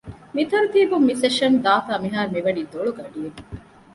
މި ތަރުތީބުން މި ސެޝަން ދާތާ މިހާރު މިވަނީ ދޮޅު ގަޑިއިރު